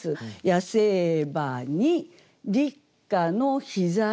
「野生馬に立夏の日差し」